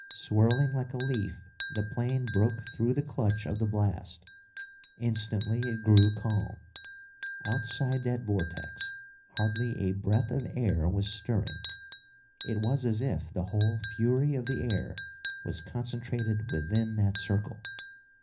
Swirling like a leaf, the plane broke through the clutch of the blast. Instantly it grew calm. Outside that vortex, hardly a breath of air was stirring. It was as if the whole fury of the air was concentrated within that circle.